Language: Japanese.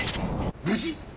無事！？